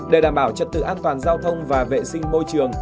để đảm bảo trật tự an toàn giao thông và vệ sinh môi trường